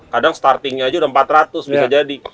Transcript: kadang startingnya aja udah empat ratus bisa jadi